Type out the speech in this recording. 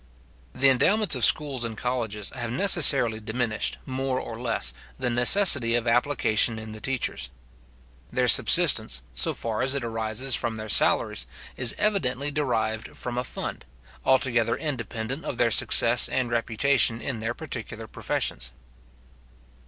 The endowments of schools and colleges have necessarily diminished, more or less, the necessity of application in the teachers. Their subsistence, so far as it arises from their salaries, is evidently derived from a fund, altogether independent of their success and reputation in their particular professions.